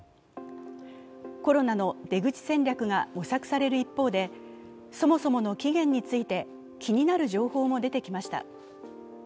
コロナの出口戦略が模索される一方で、そもそもの起源について気になる情報も出てきました。